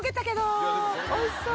おいしそう！